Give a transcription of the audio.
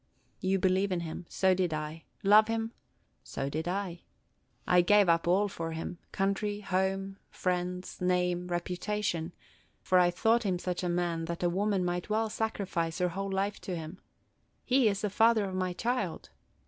You believe in him; so did I, – love him; so did I. I gave up all for him, – country, home, friends, name, reputation, – for I thought him such a man that a woman might well sacrifice her whole life to him! He is the father of my child!